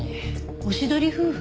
おしどり夫婦？